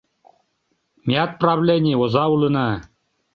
Меат правлений — оза улына.